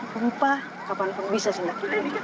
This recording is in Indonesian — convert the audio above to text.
gempa kapanpun bisa sih